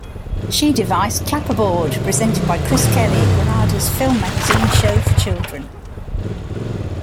She devised "Clapperboard", presented by Chris Kelly, Granada's film magazine show for children.